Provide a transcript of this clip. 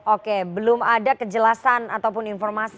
oke belum ada kejelasan ataupun informasi